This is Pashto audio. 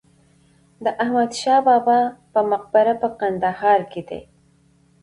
د احمدشاه بابا په مقبره په کندهار کې ده.